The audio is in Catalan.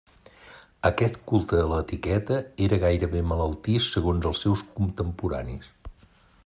Aquest culte a l'etiqueta era gairebé malaltís segons els seus contemporanis.